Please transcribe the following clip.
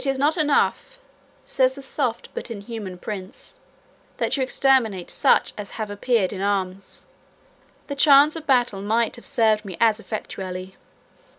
"It is not enough," says that soft but inhuman prince, "that you exterminate such as have appeared in arms; the chance of battle might have served me as effectually.